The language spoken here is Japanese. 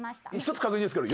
１つ確認ですけど。